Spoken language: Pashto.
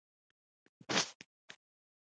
نوې تجربه ژوند ته ارزښت ورکوي